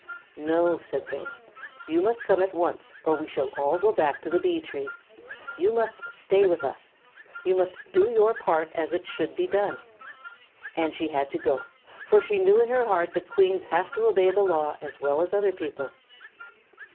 "No," said they, "you must come at once or we shall all go back to the Bee tree. You must stay with us. You must do your part as it should be done." And she had to go, for she knew in her heart that Queens have to obey the law as well as other people.